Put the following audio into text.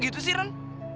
gimana sih ran